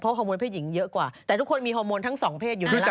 ฮอร์โมนเพศหญิงเยอะกว่าแต่ทุกคนมีฮอร์โมนทั้งสองเพศอยู่ไหมล่ะ